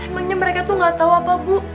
emangnya mereka tuh gak tahu apa bu